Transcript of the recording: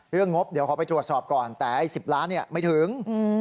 เรื่องงบเดี๋ยวเขาไปตรวจสอบก่อนแต่๑๐ล้านเนี่ยไม่ถึง